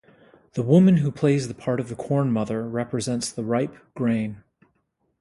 The woman who plays the part of the Corn Mother represents the ripe grain.